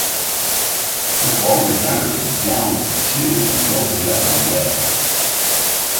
Her forward gunners downed two and drove the other away.